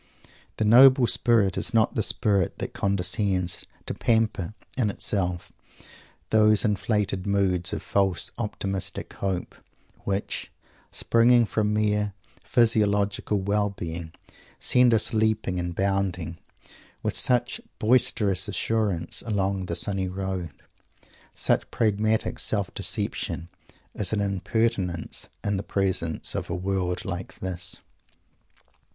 The noble spirit is not the spirit that condescends to pamper in itself those inflated moods of false optimistic hope, which, springing from mere physiological well being, send us leaping and bounding, with such boisterous assurance, along the sunny road. Such pragmatic self deception is an impertinence in the presence of a world like this.